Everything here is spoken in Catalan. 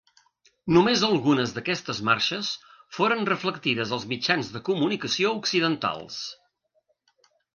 Només algunes d'aquestes marxes foren reflectides als mitjans de comunicació occidentals.